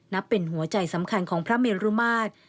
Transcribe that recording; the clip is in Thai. เป็นหัวใจสำคัญของพระเมรุมาตร